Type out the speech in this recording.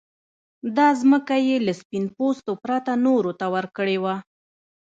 دا ځمکه يې له سپين پوستو پرته نورو ته ورکړې وه.